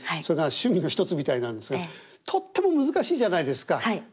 それが趣味の一つみたいなんですがとっても難しいじゃないですか。